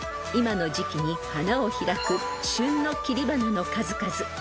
［今の時季に花を開く旬の切り花の数々］